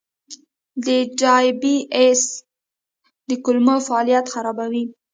د ډایبی ایس د کولمو فعالیت خرابوي.